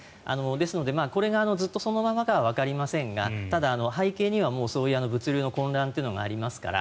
ですのでこれがずっとそのままなのかはわかりませんがただ、背景には物流の混乱というものがありますから